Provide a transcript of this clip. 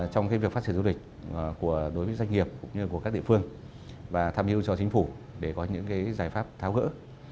trong việc phát triển du lịch đối với doanh nghiệp cũng như của các địa phương và tham hiu cho chính phủ để có những giải pháp tháo gỡ